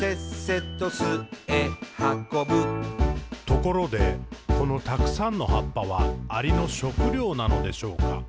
「ところで、このたくさんの葉っぱは、アリの食料なのでしょうか？